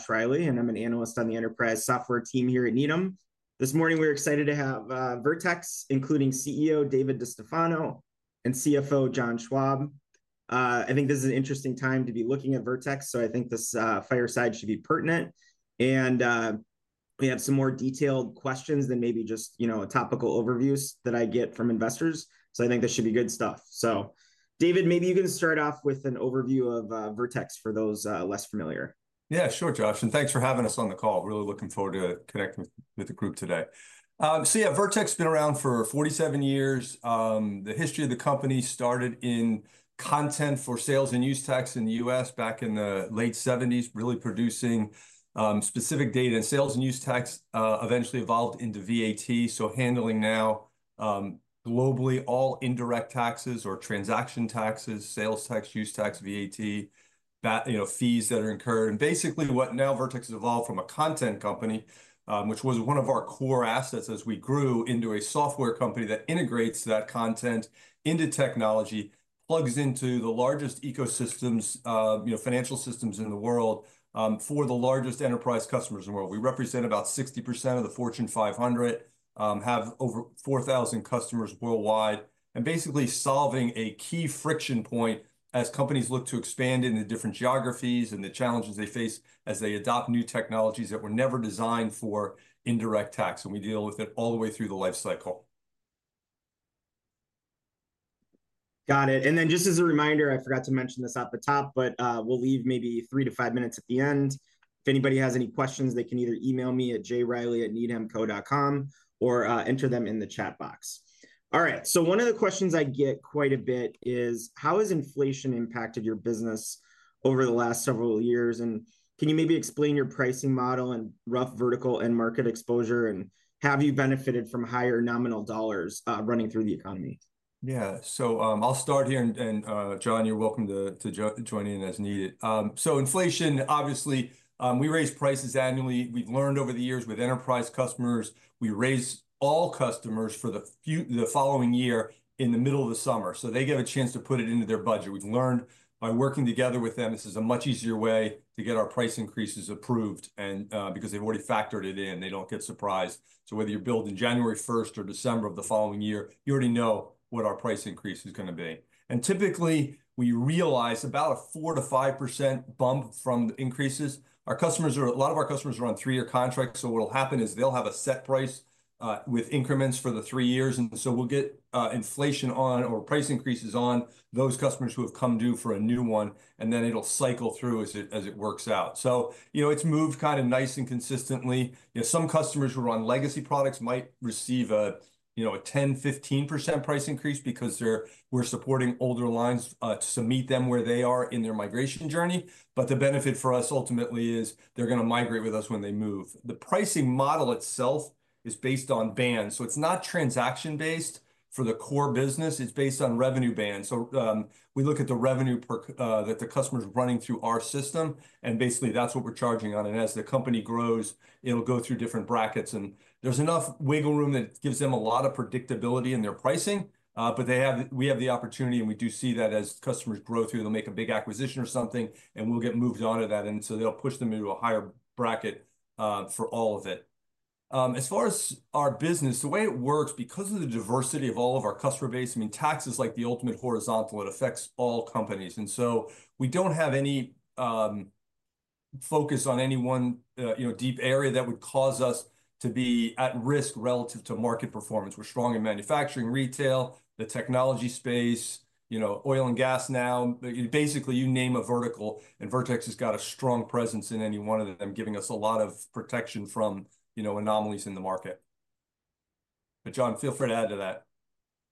Friday, and I'm an analyst on the enterprise software team here at Needham. This morning, we're excited to have Vertex, including CEO David DeStefano and CFO John Schwab. I think this is an interesting time to be looking at Vertex, so I think this fireside should be pertinent. We have some more detailed questions than maybe just, you know, topical overviews that I get from investors. I think this should be good stuff. David, maybe you can start off with an overview of Vertex for those less familiar. Yeah, sure, Josh. And thanks for having us on the call. Really looking forward to connecting with the group today. Yeah, Vertex has been around for 47 years. The history of the company started in content for sales and use tax in the U.S. back in the late 1970s, really producing specific data. Sales and use tax eventually evolved into VAT, so handling now globally all indirect taxes or transaction taxes, sales tax, use tax, VAT, you know, fees that are incurred. Basically what now Vertex has evolved from is a content company, which was one of our core assets as we grew into a software company that integrates that content into technology, plugs into the largest ecosystems, you know, financial systems in the world for the largest enterprise customers in the world. We represent about 60% of the Fortune 500, have over 4,000 customers worldwide, and basically solving a key friction point as companies look to expand into different geographies and the challenges they face as they adopt new technologies that were never designed for indirect tax. We deal with it all the way through the life cycle. Got it. And then just as a reminder, I forgot to mention this at the top, but we will leave maybe three to five minutes at the end. If anybody has any questions, they can either email me at jryleigh@needhamco.com or enter them in the chat box. All right, so one of the questions I get quite a bit is, how has inflation impacted your business over the last several years? And can you maybe explain your pricing model and rough vertical and market exposure? And have you benefited from higher nominal dollars running through the economy? Yeah, I'll start here. John, you're welcome to join in as needed. Inflation, obviously, we raise prices annually. We've learned over the years with enterprise customers, we raise all customers for the following year in the middle of the summer. They get a chance to put it into their budget. We've learned by working together with them, this is a much easier way to get our price increases approved because they've already factored it in. They don't get surprised. Whether you bill in January 1 or December of the following year, you already know what our price increase is going to be. Typically, we realize about a 4%-5% bump from the increases. A lot of our customers are on three-year contracts. What'll happen is they'll have a set price with increments for the three years. We'll get inflation on or price increases on those customers who have come due for a new one, and then it'll cycle through as it works out. You know, it's moved kind of nice and consistently. You know, some customers who are on legacy products might receive a, you know, a 10%-15% price increase because we're supporting older lines to meet them where they are in their migration journey. The benefit for us ultimately is they're going to migrate with us when they move. The pricing model itself is based on bands. It's not transaction-based for the core business. It's based on revenue bands. We look at the revenue that the customer is running through our system, and basically that's what we're charging on. As the company grows, it'll go through different brackets. There's enough wiggle room that gives them a lot of predictability in their pricing. We have the opportunity, and we do see that as customers grow through, they'll make a big acquisition or something, and we'll get moved on to that. They'll push them into a higher bracket for all of it. As far as our business, the way it works, because of the diversity of all of our customer base, I mean, tax is like the ultimate horizontal. It affects all companies. We don't have any focus on anyone, you know, deep area that would cause us to be at risk relative to market performance. We're strong in manufacturing, retail, the technology space, you know, oil and gas now. Basically, you name a vertical, and Vertex has got a strong presence in any one of them, giving us a lot of protection from, you know, anomalies in the market. John, feel free to add to that.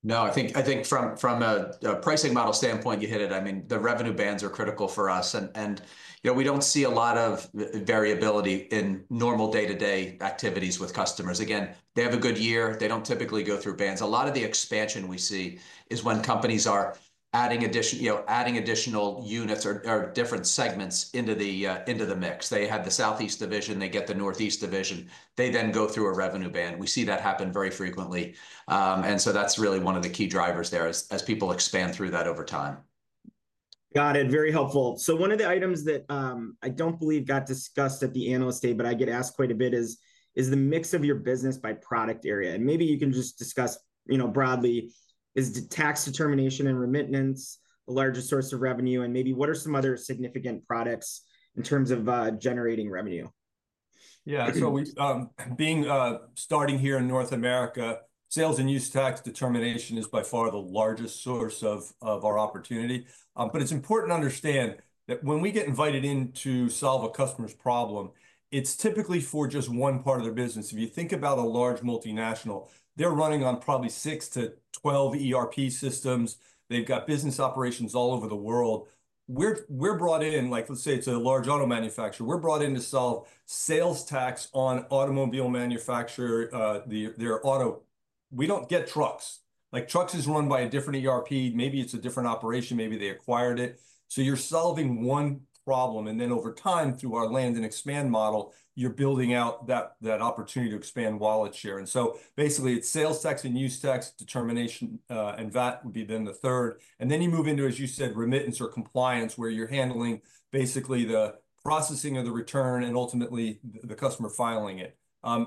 No, I think from a pricing model standpoint, you hit it. I mean, the revenue bands are critical for us. And, you know, we do not see a lot of variability in normal day-to-day activities with customers. Again, they have a good year. They do not typically go through bands. A lot of the expansion we see is when companies are adding additional units or different segments into the mix. They had the Southeast division. They get the Northeast division. They then go through a revenue band. We see that happen very frequently. That is really one of the key drivers there as people expand through that over time. Got it. Very helpful. One of the items that I do not believe got discussed at the analyst day, but I get asked quite a bit, is the mix of your business by product area. Maybe you can just discuss, you know, broadly, is tax determination and remittance the largest source of revenue? And maybe what are some other significant products in terms of generating revenue? Yeah, so being starting here in North America, sales and use tax determination is by far the largest source of our opportunity. But it's important to understand that when we get invited in to solve a customer's problem, it's typically for just one part of their business. If you think about a large multinational, they're running on probably 6 to 12 ERP systems. They've got business operations all over the world. We're brought in, like, let's say it's a large auto manufacturer. We're brought in to solve sales tax on automobile manufacturer, their auto. We don't get trucks. Like, trucks is run by a different ERP. Maybe it's a different operation. Maybe they acquired it. So you're solving one problem. And then over time, through our land and expand model, you're building out that opportunity to expand wallet share. Basically, it's sales tax and use tax determination, and that would be then the third. You move into, as you said, remittance or compliance, where you're handling basically the processing of the return and ultimately the customer filing it.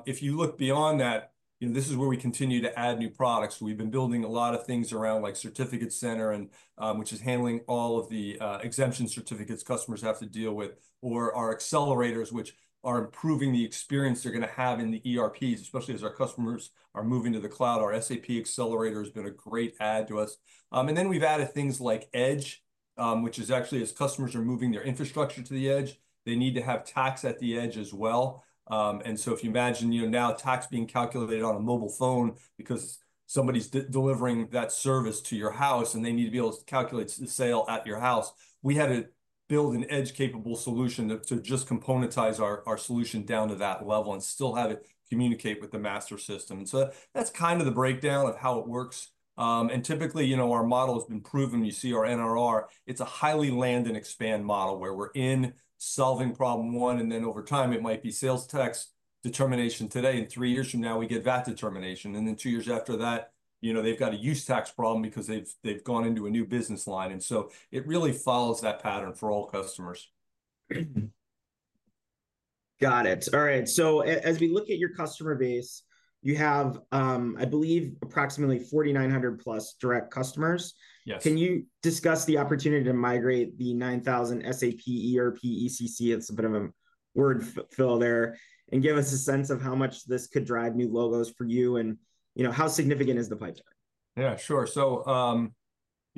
If you look beyond that, you know, this is where we continue to add new products. We've been building a lot of things around, like Certificate Center, which is handling all of the exemption certificates customers have to deal with, or our accelerators, which are improving the experience they're going to have in the ERPs, especially as our customers are moving to the cloud. Our SAP Accelerator has been a great add to us. We've added things like Edge, which is actually, as customers are moving their infrastructure to the edge, they need to have tax at the edge as well. If you imagine, you know, now tax being calculated on a mobile phone because somebody's delivering that service to your house and they need to be able to calculate the sale at your house, we had to build an edge-capable solution to just componentize our solution down to that level and still have it communicate with the master system. That's kin of the breakdown of how it works. Typically, you know, our model has been proven, you see our NRR, it's a highly land and expand model where we're in solving problem one. Then over time, it might be sales tax determination today. Three years from now, we get VAT determination. Two years after that, you know, they've got a use tax problem because they've gone into a new business line. It really follows that pattern for all customers. Got it. All right. As we look at your customer base, you have, I believe, approximately 4,900 plus direct customers. Can you discuss the opportunity to migrate the 9,000 SAP ERP ECC? It is a bit of a word fill there and give us a sense of how much this could drive new logos for you and, you know, how significant is the pipeline? Yeah, sure.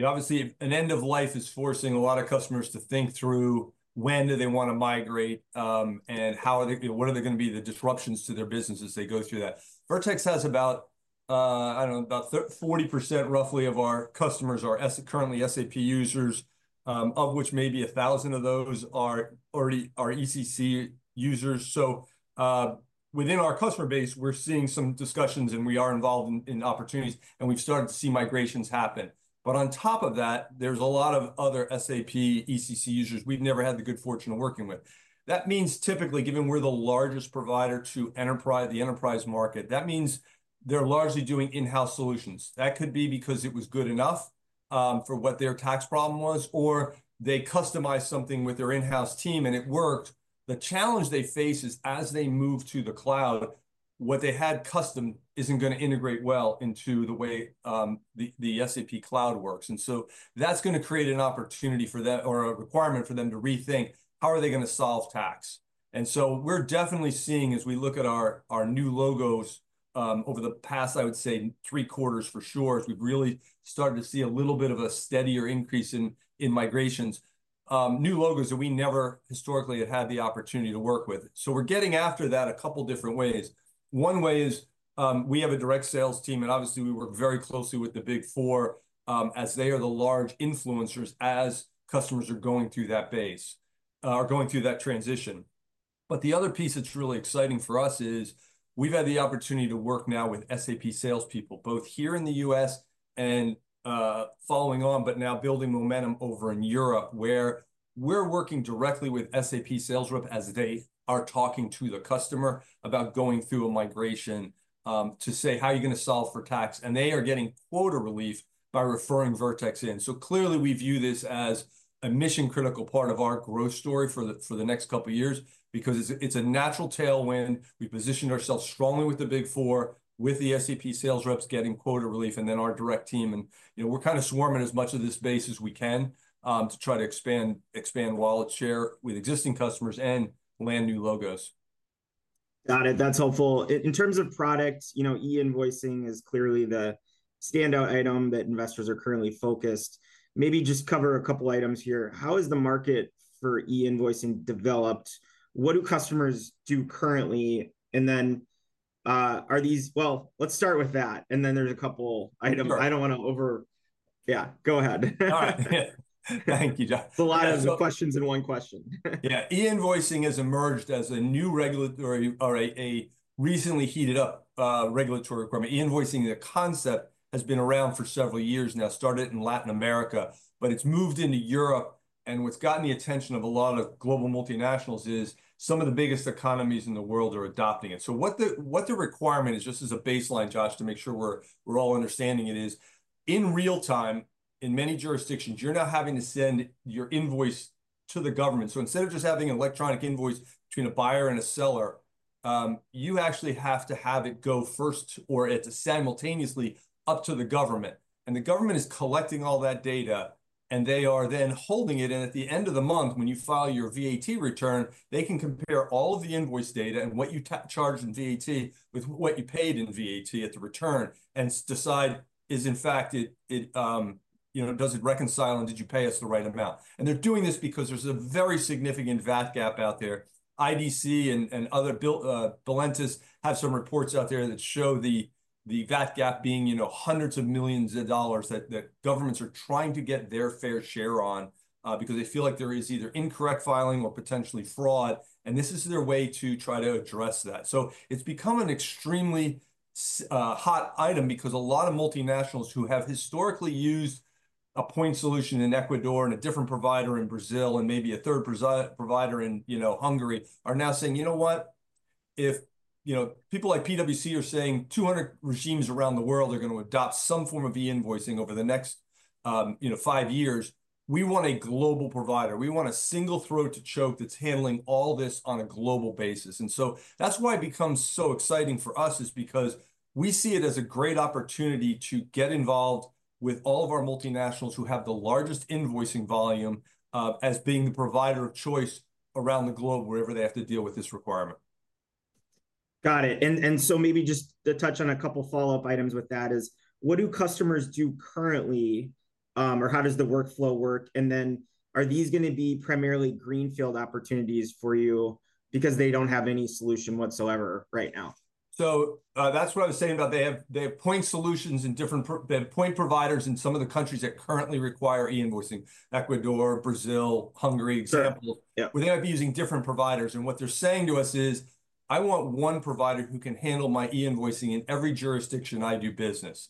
Obviously, an end of life is forcing a lot of customers to think through when they want to migrate and what are going to be the disruptions to their business as they go through that. Vertex has about, I don't know, about 40% roughly of our customers are currently SAP users, of which maybe 1,000 of those are already our ECC users. Within our customer base, we're seeing some discussions, and we are involved in opportunities, and we've started to see migrations happen. On top of that, there are a lot of other SAP ECC users we've never had the good fortune of working with. That means typically, given we're the largest provider to the enterprise market, they're largely doing in-house solutions. That could be because it was good enough for what their tax problem was, or they customized something with their in-house team and it worked. The challenge they face is as they move to the cloud, what they had custom is not going to integrate well into the way the SAP cloud works. That is going to create an opportunity for them or a requirement for them to rethink how are they going to solve tax. We are definitely seeing, as we look at our new logos over the past, I would say, three quarters for sure, as we have really started to see a little bit of a steadier increase in migrations, new logos that we never historically had had the opportunity to work with. We are getting after that a couple of different ways. One way is we have a direct sales team, and obviously we work very closely with the Big Four as they are the large influencers as customers are going through that base or going through that transition. The other piece that's really exciting for us is we've had the opportunity to work now with SAP salespeople, both here in the U.S. and following on, but now building momentum over in Europe, where we're working directly with SAP sales rep as they are talking to the customer about going through a migration to say, how are you going to solve for tax? They are getting quota relief by referring Vertex in. Clearly, we view this as a mission-critical part of our growth story for the next couple of years because it's a natural tailwind. We positioned ourselves strongly with the Big Four, with the SAP sales reps getting quota relief, and then our direct team. You know, we're kind of swarming as much of this base as we can to try to expand wallet share with existing customers and land new logos. Got it. That's helpful. In terms of products, you know, e-invoicing is clearly the standout item that investors are currently focused on. Maybe just cover a couple of items here. How is the market for e-invoicing developed? What do customers do currently? Are these, well, let's start with that. There are a couple of items. I don't want to over, yeah, go ahead. Thank you, Josh. It's a lot of questions in one question. Yeah, e-invoicing has emerged as a new regulatory or a recently heated up regulatory requirement. E-invoicing, the concept has been around for several years now, started in Latin America, but it has moved into Europe. What has gotten the attention of a lot of global multinationals is some of the biggest economies in the world are adopting it. What the requirement is, just as a baseline, Josh, to make sure we are all understanding it, is in real time, in many jurisdictions, you are now having to send your invoice to the government. Instead of just having an electronic invoice between a buyer and a seller, you actually have to have it go first or simultaneously up to the government. The government is collecting all that data, and they are then holding it. At the end of the month, when you file your VAT return, they can compare all of the invoice data and what you charge in VAT with what you paid in VAT at the return and decide, is in fact, you know, does it reconcile and did you pay us the right amount? They are doing this because there is a very significant VAT gap out there. IDC and Billentis have some reports out there that show the VAT gap being, you know, hundreds of millions of dollars that governments are trying to get their fair share on because they feel like there is either incorrect filing or potentially fraud. This is their way to try to address that. It has become an extremely hot item because a lot of multinationals who have historically used a point solution in Ecuador and a different provider in Brazil and maybe a third provider in, you know, Hungary are now saying, you know what, if, you know, people like PwC are saying 200 regimes around the world are going to adopt some form of e-invoicing over the next, you know, five years, we want a global provider. We want a single throat to choke that's handling all this on a global basis. That is why it becomes so exciting for us is because we see it as a great opportunity to get involved with all of our multinationals who have the largest invoicing volume as being the provider of choice around the globe wherever they have to deal with this requirement. Got it. Maybe just to touch on a couple of follow-up items with that, what do customers do currently or how does the workflow work? Are these going to be primarily greenfield opportunities for you because they do not have any solution whatsoever right now? That's what I was saying about they have point solutions and different point providers in some of the countries that currently require e-invoicing: Ecuador, Brazil, Hungary, examples. We're going to be using different providers. What they're saying to us is, I want one provider who can handle my e-invoicing in every jurisdiction I do business.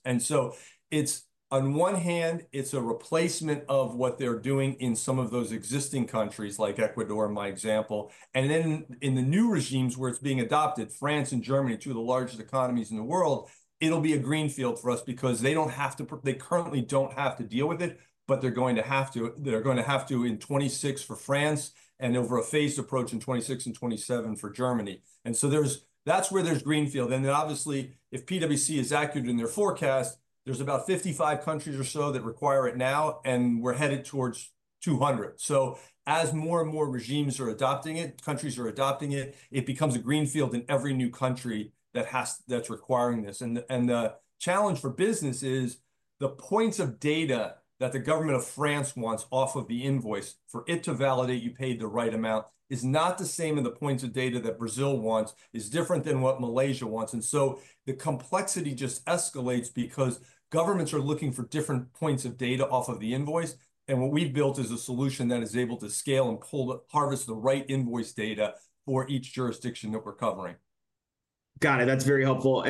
On one hand, it's a replacement of what they're doing in some of those existing countries like Ecuador, my example. In the new regimes where it's being adopted, France and Germany, two of the largest economies in the world, it'll be a greenfield for us because they currently don't have to deal with it, but they're going to have to. They're going to have to in 2026 for France and over a phased approach in 2026 and 2027 for Germany. That is where there is greenfield. Obviously, if PwC is accurate in their forecast, there are about 55 countries or so that require it now, and we are headed towards 200. As more and more regimes are adopting it, countries are adopting it, it becomes a greenfield in every new country that is requiring this. The challenge for business is the points of data that the government of France wants off of the invoice for it to validate you paid the right amount is not the same as the points of data that Brazil wants, is different than what Malaysia wants. The complexity just escalates because governments are looking for different points of data off of the invoice. What we have built is a solution that is able to scale and pull, harvest the right invoice data for each jurisdiction that we are covering. Got it. That's very helpful.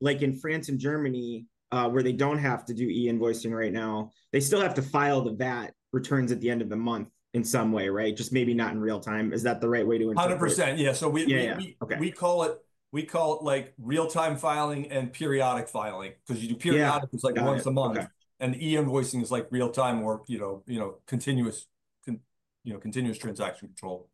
Like in France and Germany, where they don't have to do e-invoicing right now, they still have to file the VAT returns at the end of the month in some way, right? Just maybe not in real time. Is that the right way to interpret that? 100%. Yeah. We call it, we call it like real-time filing and periodic filing because you do periodic is like once a month. And e-invoicing is like real-time or, you know, continuous, you know, continuous transaction control.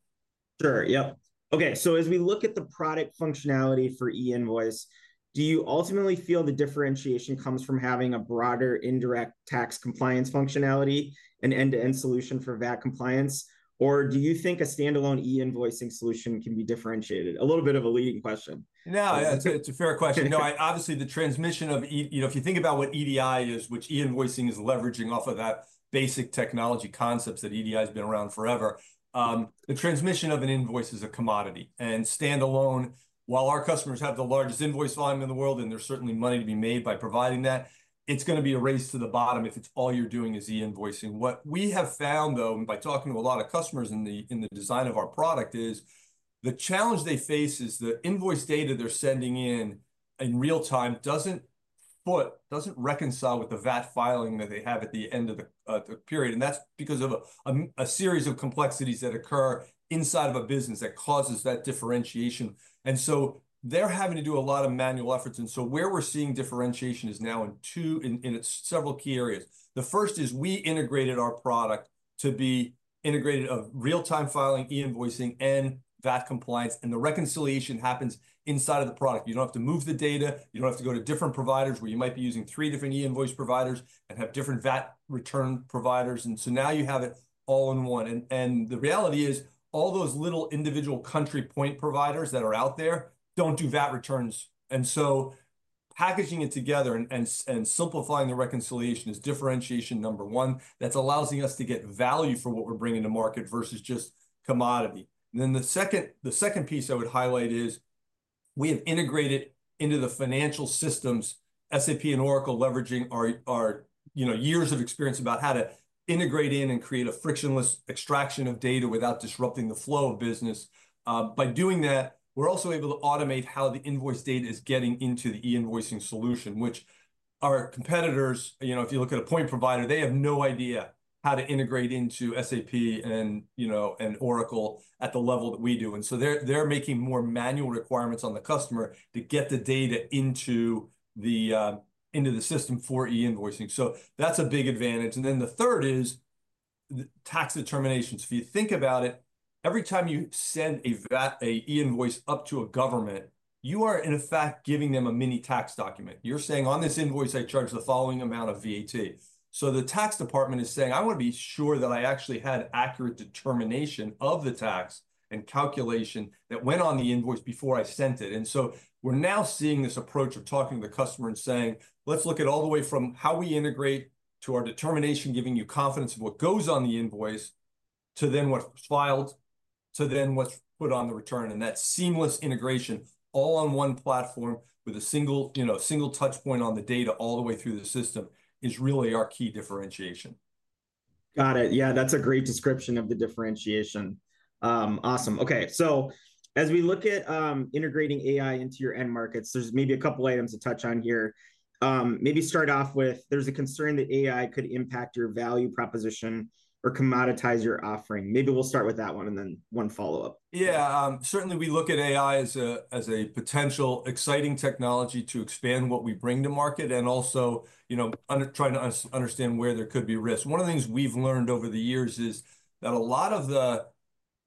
Sure. Yep. Okay. As we look at the product functionality for e-invoice, do you ultimately feel the differentiation comes from having a broader indirect tax compliance functionality, an end-to-end solution for VAT compliance, or do you think a standalone e-invoicing solution can be differentiated? A little bit of a leading question. No, it's a fair question. No, obviously the transmission of, you know, if you think about what EDI is, which e-invoicing is leveraging off of that basic technology concepts that EDI has been around forever, the transmission of an invoice is a commodity. And standalone, while our customers have the largest invoice volume in the world, and there's certainly money to be made by providing that, it's going to be a race to the bottom if all you're doing is e-invoicing. What we have found, though, by talking to a lot of customers in the design of our product is the challenge they face is the invoice data they're sending in in real time doesn't foot, doesn't reconcile with the VAT filing that they have at the end of the period. And that's because of a series of complexities that occur inside of a business that causes that differentiation. They're having to do a lot of manual efforts. Where we're seeing differentiation is now in several key areas. The first is we integrated our product to be integrated of real-time filing, e-invoicing, and VAT compliance. The reconciliation happens inside of the product. You don't have to move the data. You don't have to go to different providers where you might be using three different e-invoice providers and have different VAT return providers. Now you have it all in one. The reality is all those little individual country point providers that are out there don't do VAT returns. Packaging it together and simplifying the reconciliation is differentiation number one that's allowing us to get value for what we're bringing to market versus just commodity. The second piece I would highlight is we have integrated into the financial systems, SAP and Oracle, leveraging our, you know, years of experience about how to integrate in and create a frictionless extraction of data without disrupting the flow of business. By doing that, we're also able to automate how the invoice data is getting into the e-invoicing solution, which our competitors, you know, if you look at a point provider, they have no idea how to integrate into SAP and, you know, and Oracle at the level that we do. They are making more manual requirements on the customer to get the data into the system for e-invoicing. That is a big advantage. The third is tax determinations. If you think about it, every time you send a VAT, an e-invoice up to a government, you are in effect giving them a mini tax document. You're saying on this invoice, I charge the following amount of VAT. The tax department is saying, I want to be sure that I actually had accurate determination of the tax and calculation that went on the invoice before I sent it. We are now seeing this approach of talking to the customer and saying, let's look at all the way from how we integrate to our determination, giving you confidence of what goes on the invoice to then what's filed, to then what's put on the return. That seamless integration all on one platform with a single, you know, single touchpoint on the data all the way through the system is really our key differentiation. Got it. Yeah, that's a great description of the differentiation. Awesome. Okay. As we look at integrating AI into your end markets, there's maybe a couple of items to touch on here. Maybe start off with, there's a concern that AI could impact your value proposition or commoditize your offering. Maybe we'll start with that one and then one follow-up. Yeah, certainly we look at AI as a potential exciting technology to expand what we bring to market and also, you know, trying to understand where there could be risk. One of the things we've learned over the years is that a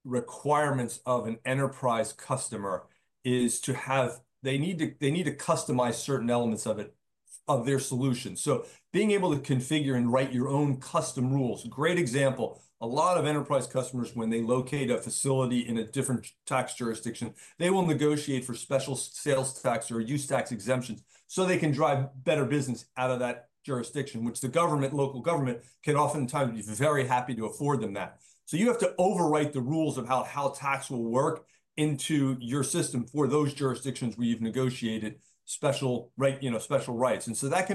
lot of the requirements of an enterprise customer is to have, they need to customize certain elements of their solution. So being able to configure and write your own custom rules, great example. A lot of enterprise customers, when they locate a facility in a different tax jurisdiction, they will negotiate for special sales tax or use tax exemptions so they can drive better business out of that jurisdiction, which the government, local government can oftentimes be very happy to afford them that. You have to overwrite the rules of how tax will work into your system for those jurisdictions where you've negotiated special, you know, special rights. That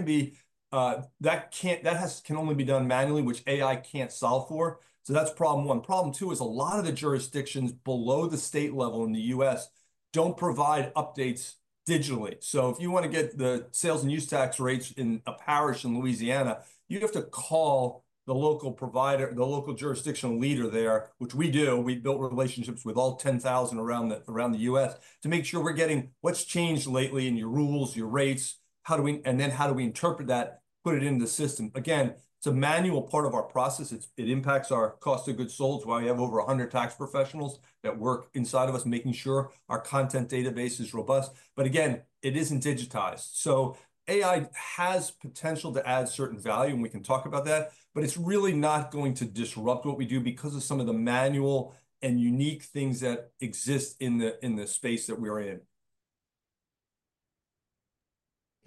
can only be done manually, which AI can't solve for. That's problem one. Problem two is a lot of the jurisdictions below the state level in the U.S. don't provide updates digitally. If you want to get the sales and use tax rates in a parish in Louisiana, you have to call the local provider, the local jurisdiction leader there, which we do. We built relationships with all 10,000 around the U.S. to make sure we're getting what's changed lately in your rules, your rates, how do we, and then how do we interpret that, put it into the system. Again, it's a manual part of our process. It impacts our cost of goods sold, why we have over 100 tax professionals that work inside of us making sure our content database is robust. Again, it is not digitized. AI has potential to add certain value, and we can talk about that, but it is really not going to disrupt what we do because of some of the manual and unique things that exist in the space that we are in.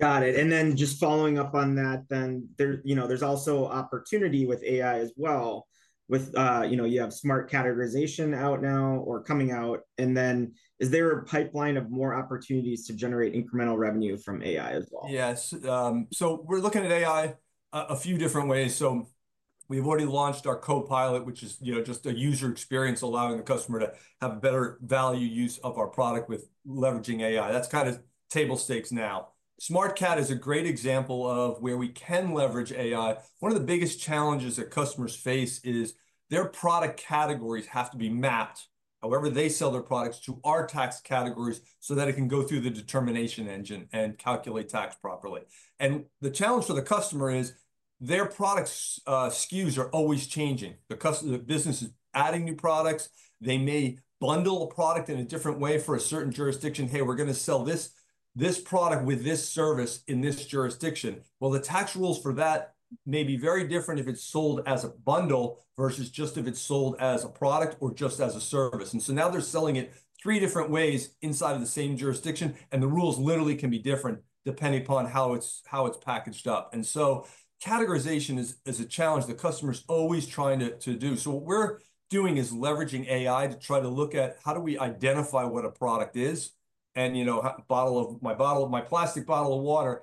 Got it. And then just following up on that, then there, you know, there's also opportunity with AI as well with, you know, you have smart categorization out now or coming out. And then is there a pipeline of more opportunities to generate incremental revenue from AI as well? Yes. We're looking at AI a few different ways. We've already launched our Copilot, which is, you know, just a user experience allowing the customer to have better value use of our product with leveraging AI. That's kind of table stakes now. SmartCAT is a great example of where we can leverage AI. One of the biggest challenges that customers face is their product categories have to be mapped, however they sell their products, to our tax categories so that it can go through the determination engine and calculate tax properly. The challenge for the customer is their product SKUs are always changing. The business is adding new products. They may bundle a product in a different way for a certain jurisdiction. Hey, we're going to sell this product with this service in this jurisdiction. The tax rules for that may be very different if it is sold as a bundle versus just if it is sold as a product or just as a service. Now they are selling it three different ways inside of the same jurisdiction, and the rules literally can be different depending upon how it is packaged up. Categorization is a challenge the customer's always trying to do. What we are doing is leveraging AI to try to look at how do we identify what a product is and, you know, my bottle of my plastic bottle of water,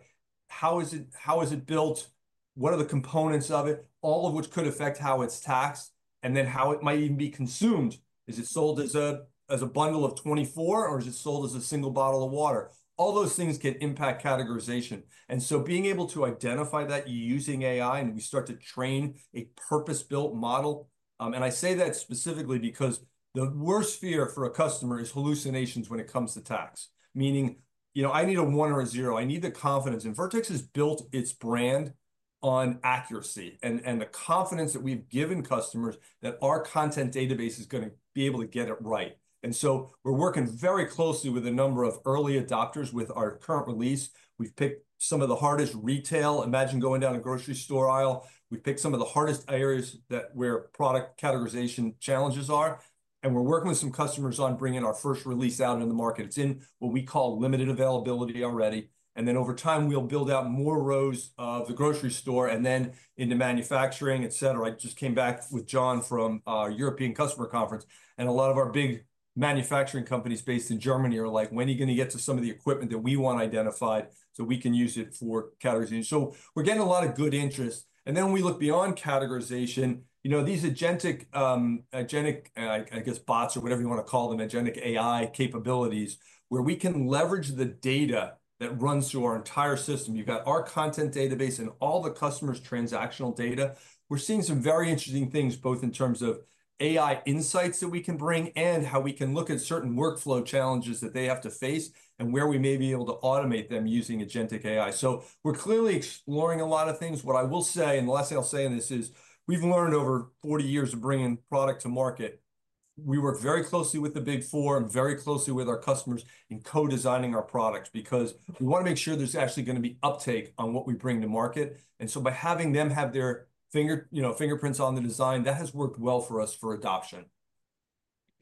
how is it built? What are the components of it? All of which could affect how it is taxed and then how it might even be consumed. Is it sold as a bundle of 24 or is it sold as a single bottle of water? All those things can impact categorization. Being able to identify that using AI and we start to train a purpose-built model. I say that specifically because the worst fear for a customer is hallucinations when it comes to tax, meaning, you know, I need a one or a zero. I need the confidence. Vertex has built its brand on accuracy and the confidence that we've given customers that our content database is going to be able to get it right. We are working very closely with a number of early adopters with our current release. We've picked some of the hardest retail. Imagine going down a grocery store aisle. We've picked some of the hardest areas where product categorization challenges are. We are working with some customers on bringing our first release out into the market. It's in what we call limited availability already. Over time, we'll build out more rows of the grocery store and then into manufacturing, et cetera. I just came back with John from our European customer conference. A lot of our big manufacturing companies based in Germany are like, when are you going to get to some of the equipment that we want identified so we can use it for categorization? We're getting a lot of good interest. When we look beyond categorization, you know, these agentic, I guess, bots or whatever you want to call them, agentic AI capabilities where we can leverage the data that runs through our entire system. You've got our content database and all the customer's transactional data. We're seeing some very interesting things both in terms of AI insights that we can bring and how we can look at certain workflow challenges that they have to face and where we may be able to automate them using agentic AI. We're clearly exploring a lot of things. What I will say, and the last thing I'll say in this is we've learned over 40 years of bringing product to market. We work very closely with the Big Four and very closely with our customers in co-designing our products because we want to make sure there's actually going to be uptake on what we bring to market. By having them have their fingerprints on the design, that has worked well for us for adoption.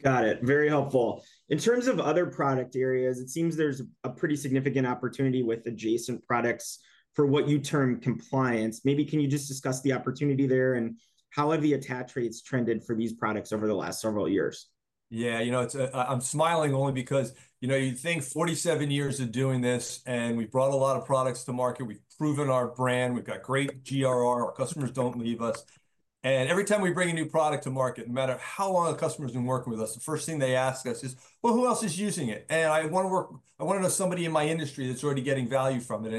Got it. Very helpful. In terms of other product areas, it seems there's a pretty significant opportunity with adjacent products for what you term compliance. Maybe can you just discuss the opportunity there and how have the attach rates trended for these products over the last several years? Yeah, you know, I'm smiling only because, you know, you think 47 years of doing this and we've brought a lot of products to market. We've proven our brand. We've got great GRR. Our customers don't leave us. Every time we bring a new product to market, no matter how long the customer's been working with us, the first thing they ask us is, well, who else is using it? I want to work, I want to know somebody in my industry that's already getting value from it.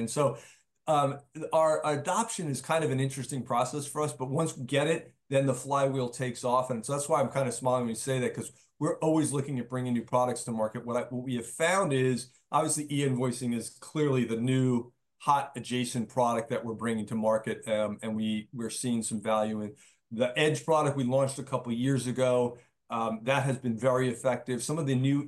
Our adoption is kind of an interesting process for us, but once we get it, then the flywheel takes off. That's why I'm kind of smiling when you say that, because we're always looking at bringing new products to market. What we have found is obviously e-invoicing is clearly the new hot adjacent product that we're bringing to market. We're seeing some value in the Edge product we launched a couple of years ago. That has been very effective. Some of the new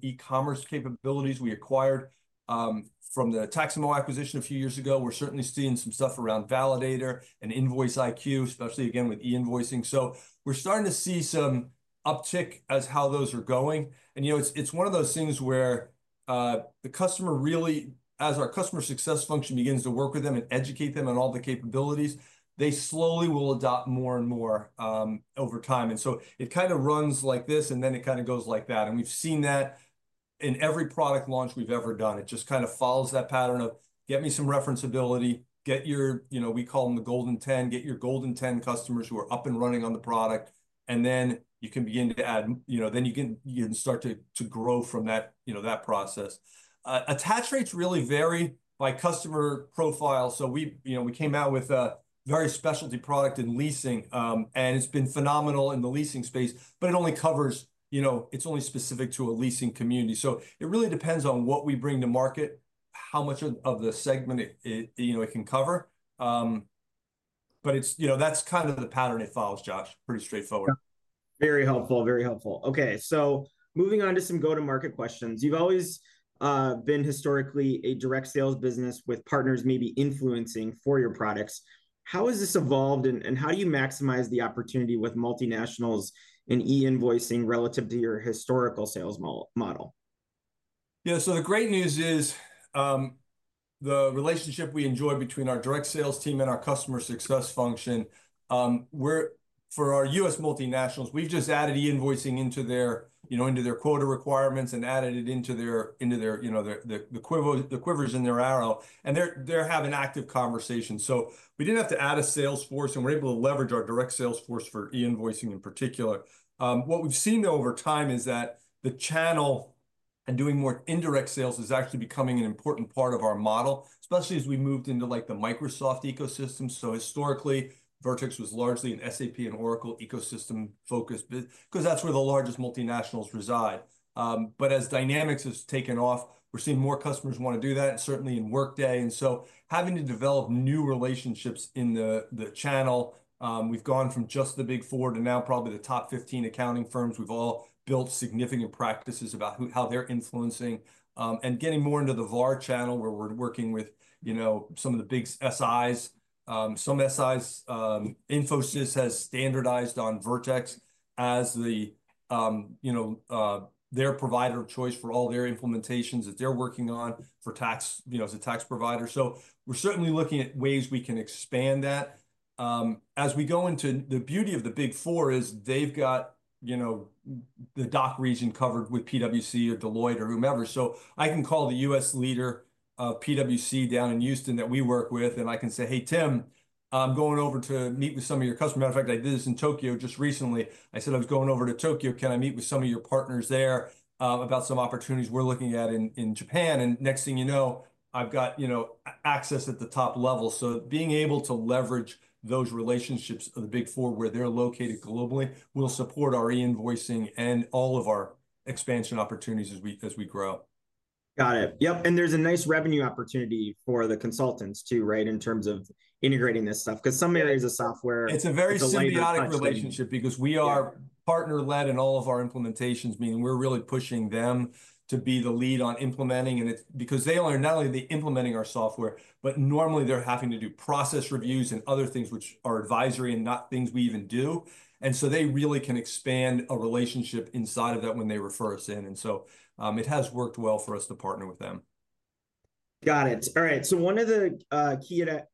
e-commerce capabilities we acquired from the Taximo acquisition a few years ago, we're certainly seeing some stuff around Validator and Invoice IQ, especially again with e-invoicing. We're starting to see some uptick as how those are going. You know, it's one of those things where the customer really, as our customer success function begins to work with them and educate them on all the capabilities, they slowly will adopt more and more over time. It kind of runs like this and then it kind of goes like that. We've seen that in every product launch we've ever done. It just kind of follows that pattern of get me some referenceability, get your, you know, we call them the golden 10, get your golden 10 customers who are up and running on the product. Then you can begin to add, you know, then you can start to grow from that, you know, that process. Attach rates really vary by customer profile. We came out with a very specialty product in leasing, and it's been phenomenal in the leasing space, but it only covers, you know, it's only specific to a leasing community. It really depends on what we bring to market, how much of the segment, you know, it can cover. That's kind of the pattern it follows, Josh, pretty straightforward. Very helpful, very helpful. Okay. Moving on to some go-to-market questions. You've always been historically a direct sales business with partners maybe influencing for your products. How has this evolved and how do you maximize the opportunity with multinationals in e-invoicing relative to your historical sales model? Yeah. The great news is the relationship we enjoy between our direct sales team and our customer success function, we're, for our US multinationals, we've just added e-invoicing into their, you know, into their quota requirements and added it into their, you know, the quivers in their arrow. They're having active conversations. We didn't have to add a sales force and we're able to leverage our direct sales force for e-invoicing in particular. What we've seen over time is that the channel and doing more indirect sales is actually becoming an important part of our model, especially as we moved into like the Microsoft ecosystem. Historically, Vertex was largely an SAP and Oracle ecosystem focus because that's where the largest multinationals reside. As Dynamics has taken off, we're seeing more customers want to do that and certainly in Workday. Having to develop new relationships in the channel, we've gone from just the Big Four to now probably the top 15 accounting firms. We've all built significant practices about how they're influencing and getting more into the VAR channel where we're working with, you know, some of the big SIs. Some SIs, Infosys has standardized on Vertex as the, you know, their provider of choice for all their implementations that they're working on for tax, you know, as a tax provider. We are certainly looking at ways we can expand that. As we go into the beauty of the Big Four is they've got, you know, the DOC region covered with PwC or Deloitte or whomever. I can call the US leader of PwC down in Houston that we work with and I can say, hey Tim, I'm going over to meet with some of your customers. Matter of fact, I did this in Tokyo just recently. I said, I was going over to Tokyo. Can I meet with some of your partners there about some opportunities we're looking at in Japan? Next thing you know, I've got, you know, access at the top level. Being able to leverage those relationships of the Big Four where they're located globally will support our e-invoicing and all of our expansion opportunities as we grow. Got it. Yep. There is a nice revenue opportunity for the consultants too, right, in terms of integrating this stuff because some areas of software. It's a very symbiotic relationship because we are partner-led in all of our implementations, meaning we're really pushing them to be the lead on implementing. It's because they are not only implementing our software, but normally they're having to do process reviews and other things which are advisory and not things we even do. They really can expand a relationship inside of that when they refer us in. It has worked well for us to partner with them. Got it. All right. So one of the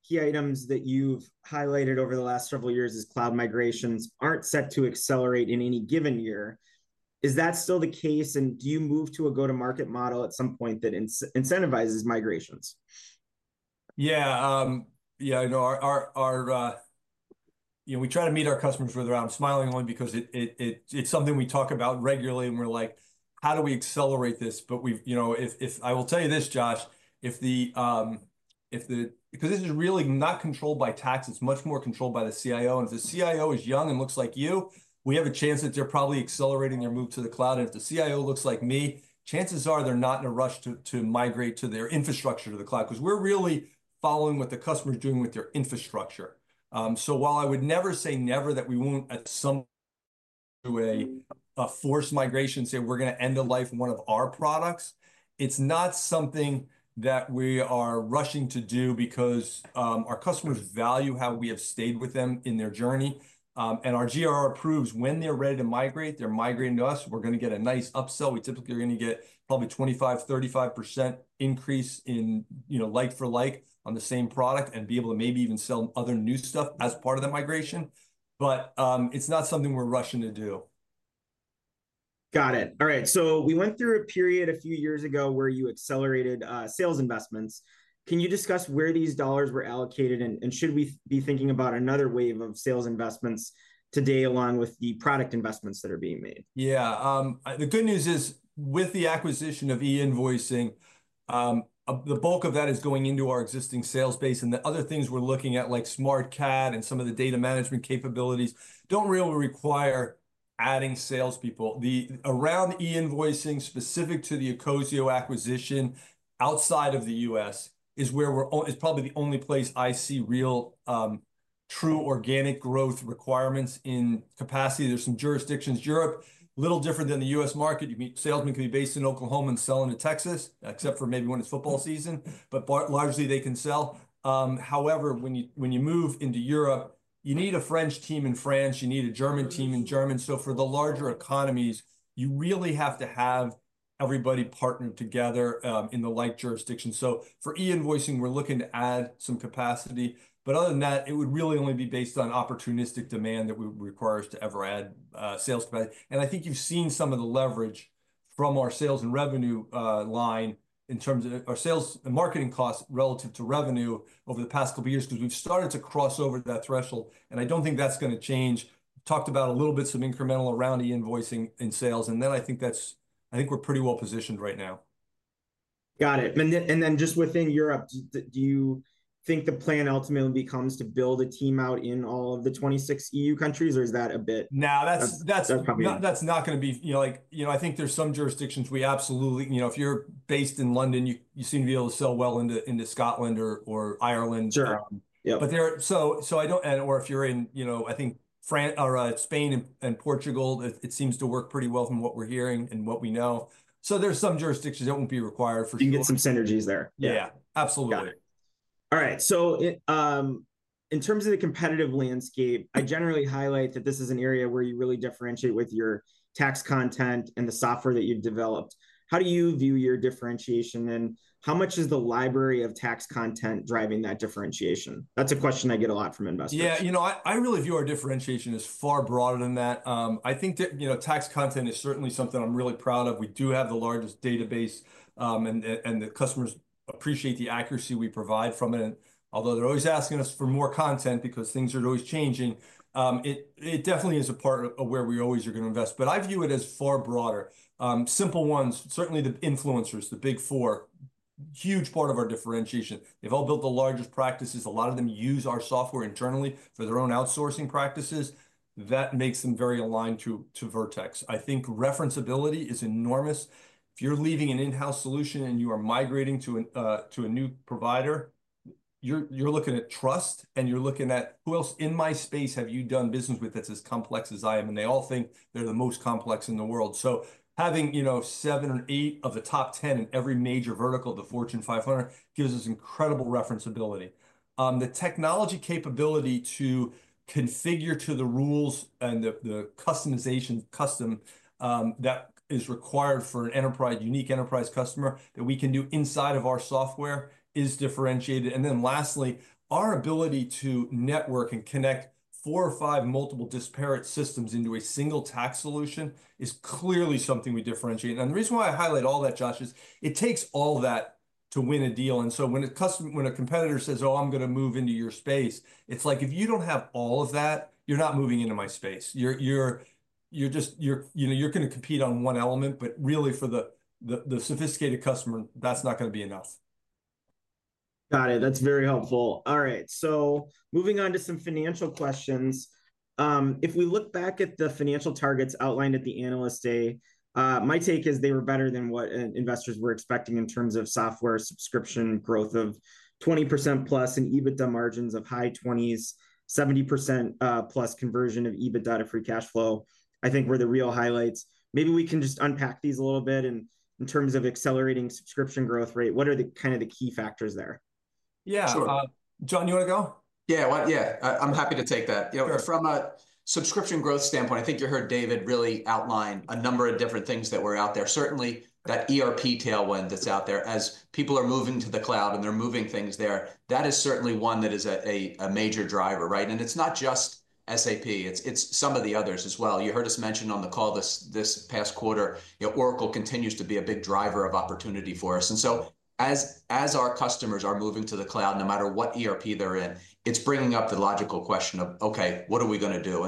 key items that you've highlighted over the last several years is cloud migrations aren't set to accelerate in any given year. Is that still the case? And do you move to a go-to-market model at some point that incentivizes migrations? Yeah. Yeah. You know, our, you know, we try to meet our customers with a round smiling only because it's something we talk about regularly and we're like, how do we accelerate this? But we've, you know, if I will tell you this, Josh, because this is really not controlled by tax, it's much more controlled by the CIO. And if the CIO is young and looks like you, we have a chance that they're probably accelerating their move to the cloud. And if the CIO looks like me, chances are they're not in a rush to migrate to their infrastructure to the cloud because we're really following what the customer's doing with their infrastructure. While I would never say never that we won't at some point do a forced migration, say we're going to end the life of one of our products, it's not something that we are rushing to do because our customers value how we have stayed with them in their journey. Our GRR approves when they're ready to migrate, they're migrating to us. We're going to get a nice upsell. We typically are going to get probably 25-35% increase in, you know, like for like on the same product and be able to maybe even sell other new stuff as part of the migration. It's not something we're rushing to do. Got it. All right. So we went through a period a few years ago where you accelerated sales investments. Can you discuss where these dollars were allocated and should we be thinking about another wave of sales investments today along with the product investments that are being made? Yeah. The good news is with the acquisition of e-invoicing, the bulk of that is going into our existing sales base and the other things we're looking at like SmartCAT and some of the data management capabilities do not really require adding salespeople. The around e-invoicing specific to the Ocosio acquisition outside of the U.S. is where we're is probably the only place I see real true organic growth requirements in capacity. There are some jurisdictions, Europe, a little different than the U.S. market. Salesmen can be based in Oklahoma and selling to Texas, except for maybe when it is football season, but largely they can sell. However, when you move into Europe, you need a French team in France. You need a German team in Germany. So for the larger economies, you really have to have everybody partnered together in the like jurisdiction. So for e-invoicing, we're looking to add some capacity. Other than that, it would really only be based on opportunistic demand that would require us to ever add sales capacity. I think you've seen some of the leverage from our sales and revenue line in terms of our sales and marketing costs relative to revenue over the past couple of years because we've started to cross over that threshold. I don't think that's going to change. Talked about a little bit some incremental around e-invoicing in sales. I think we're pretty well positioned right now. Got it. And then just within Europe, do you think the plan ultimately becomes to build a team out in all of the 26 EU countries or is that a bit? No, that's not going to be, you know, like, you know, I think there's some jurisdictions we absolutely, you know, if you're based in London, you seem to be able to sell well into Scotland or Ireland. There, I don't, or if you're in, you know, I think Spain and Portugal, it seems to work pretty well from what we're hearing and what we know. There's some jurisdictions that won't be required for. You can get some synergies there. Yeah, absolutely. All right. In terms of the competitive landscape, I generally highlight that this is an area where you really differentiate with your tax content and the software that you've developed. How do you view your differentiation and how much is the library of tax content driving that differentiation? That's a question I get a lot from investors. Yeah, you know, I really view our differentiation as far broader than that. I think that, you know, tax content is certainly something I'm really proud of. We do have the largest database and the customers appreciate the accuracy we provide from it. Although they're always asking us for more content because things are always changing, it definitely is a part of where we always are going to invest. I view it as far broader. Simple ones, certainly the influencers, the Big Four, huge part of our differentiation. They've all built the largest practices. A lot of them use our software internally for their own outsourcing practices. That makes them very aligned to Vertex. I think reference ability is enormous. If you're leaving an in-house solution and you are migrating to a new provider, you're looking at trust and you're looking at who else in my space have you done business with that's as complex as I am. And they all think they're the most complex in the world. Having, you know, seven or eight of the top 10 in every major vertical, the Fortune 500, gives us incredible referenceability. The technology capability to configure to the rules and the customization custom that is required for a unique enterprise customer that we can do inside of our software is differentiated. Lastly, our ability to network and connect four or five multiple disparate systems into a single tax solution is clearly something we differentiate. The reason why I highlight all that, Josh, is it takes all that to win a deal. When a competitor says, oh, I'm going to move into your space, it's like if you don't have all of that, you're not moving into my space. You're just, you know, you're going to compete on one element, but really for the sophisticated customer, that's not going to be enough. Got it. That's very helpful. All right. Moving on to some financial questions. If we look back at the financial targets outlined at the analyst day, my take is they were better than what investors were expecting in terms of software subscription growth of 20% plus and EBITDA margins of high 20s, 70% plus conversion of EBITDA to free cash flow. I think were the real highlights. Maybe we can just unpack these a little bit and in terms of accelerating subscription growth rate, what are the kind of the key factors there? Yeah. John, you want to go? Yeah. Yeah. I'm happy to take that. You know, from a subscription growth standpoint, I think you heard David really outline a number of different things that were out there. Certainly that ERP tailwind that's out there as people are moving to the cloud and they're moving things there. That is certainly one that is a major driver, right? It's not just SAP. It's some of the others as well. You heard us mention on the call this past quarter, you know, Oracle continues to be a big driver of opportunity for us. As our customers are moving to the cloud, no matter what ERP they're in, it's bringing up the logical question of, okay, what are we going to do?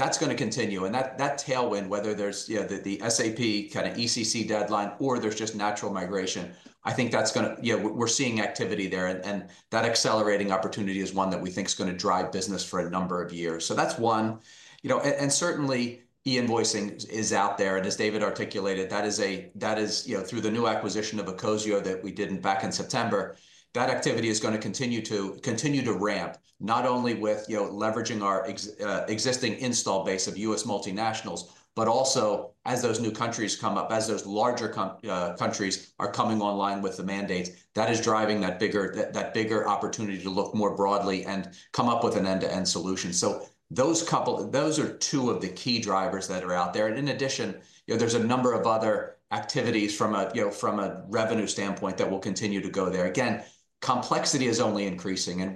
That's going to continue. That tailwind, whether there's the SAP kind of ECC deadline or there's just natural migration, I think that's going to, yeah, we're seeing activity there. That accelerating opportunity is one that we think is going to drive business for a number of years. That's one, you know, and certainly e-invoicing is out there. As David articulated, that is, you know, through the new acquisition of Ocosio that we did back in September, that activity is going to continue to ramp not only with leveraging our existing install base of US multinationals, but also as those new countries come up, as those larger countries are coming online with the mandates, that is driving that bigger opportunity to look more broadly and come up with an end-to-end solution. Those are two of the key drivers that are out there. In addition, you know, there's a number of other activities from a, you know, from a revenue standpoint that will continue to go there. Again, complexity is only increasing.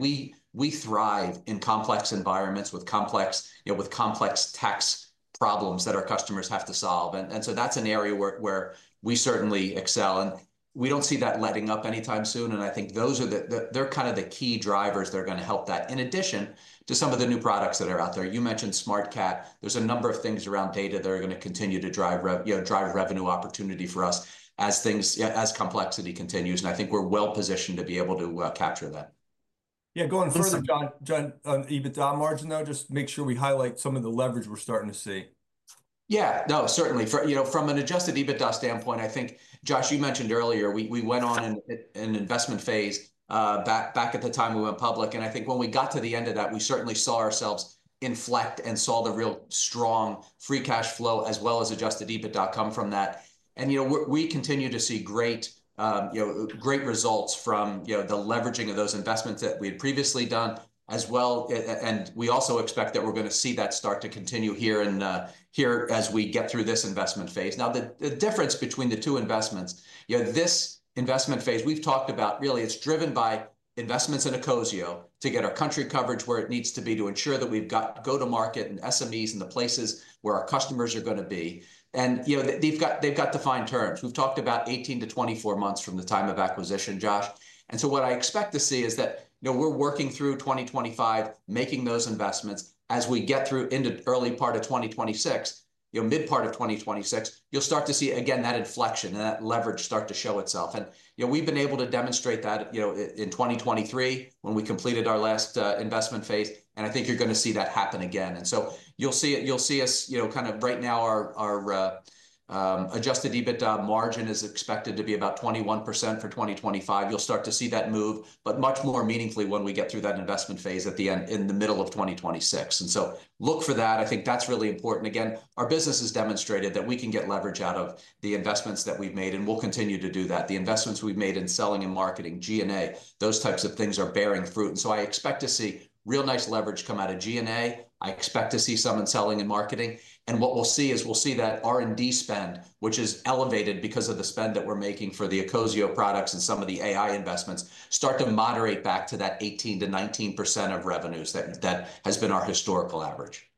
We thrive in complex environments with complex, you know, with complex tax problems that our customers have to solve. That is an area where we certainly excel. We do not see that letting up anytime soon. I think those are the, they are kind of the key drivers that are going to help that. In addition to some of the new products that are out there, you mentioned SmartCAT. There is a number of things around data that are going to continue to drive, you know, drive revenue opportunity for us as things, as complexity continues. I think we are well positioned to be able to capture that. Yeah. Going further, John, EBITDA margin though, just make sure we highlight some of the leverage we're starting to see. Yeah. No, certainly. You know, from an adjusted EBITDA standpoint, I think, Josh, you mentioned earlier, we went on an investment phase back at the time we went public. I think when we got to the end of that, we certainly saw ourselves inflect and saw the real strong free cash flow as well as adjusted EBITDA come from that. You know, we continue to see great, you know, great results from, you know, the leveraging of those investments that we had previously done as well. We also expect that we're going to see that start to continue here and here as we get through this investment phase. Now, the difference between the two investments, you know, this investment phase we've talked about really, it's driven by investments in Ocosio to get our country coverage where it needs to be to ensure that we've got go-to-market and SMEs and the places where our customers are going to be. You know, they've got defined terms. We've talked about 18-24 months from the time of acquisition, Josh. What I expect to see is that, you know, we're working through 2025, making those investments as we get through into early part of 2026, you know, mid part of 2026, you'll start to see again that inflection and that leverage start to show itself. You know, we've been able to demonstrate that, you know, in 2023 when we completed our last investment phase. I think you're going to see that happen again. You will see it, you will see us, you know, kind of right now our adjusted EBITDA margin is expected to be about 21% for 2025. You will start to see that move, but much more meaningfully when we get through that investment phase at the end in the middle of 2026. Look for that. I think that is really important. Again, our business has demonstrated that we can get leverage out of the investments that we have made and we will continue to do that. The investments we have made in selling and marketing, G&A, those types of things are bearing fruit. I expect to see real nice leverage come out of G&A. I expect to see some in selling and marketing. What we'll see is we'll see that R&D spend, which is elevated because of the spend that we're making for the Ocosio products and some of the AI investments, start to moderate back to that 18-19% of revenues that has been our historical average.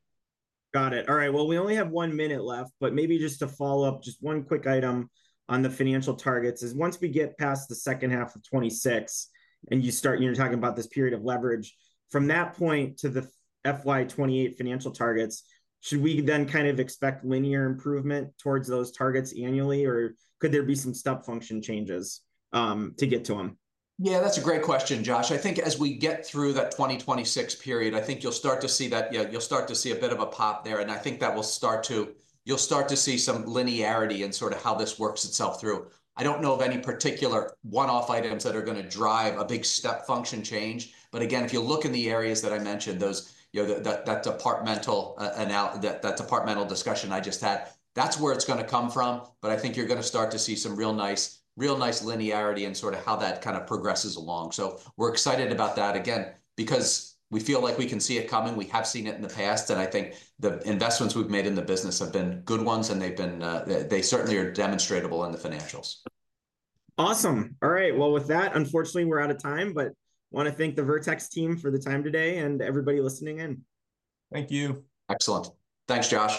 Got it. All right. We only have one minute left, but maybe just to follow up, just one quick item on the financial targets. Once we get past the second half of 2026 and you start, you're talking about this period of leverage from that point to the FY 2028 financial targets, should we then kind of expect linear improvement towards those targets annually or could there be some step function changes to get to them? Yeah, that's a great question, Josh. I think as we get through that 2026 period, I think you'll start to see that, yeah, you'll start to see a bit of a pop there. I think that will start to, you'll start to see some linearity in sort of how this works itself through. I don't know of any particular one-off items that are going to drive a big step function change. Again, if you look in the areas that I mentioned, those, you know, that departmental, that departmental discussion I just had, that's where it's going to come from. I think you're going to start to see some real nice, real nice linearity in sort of how that kind of progresses along. We're excited about that again because we feel like we can see it coming. We have seen it in the past. I think the investments we've made in the business have been good ones and they certainly are demonstrable in the financials. Awesome. All right. With that, unfortunately, we're out of time, but I want to thank the Vertex team for the time today and everybody listening in. Thank you. Excellent. Thanks, Josh.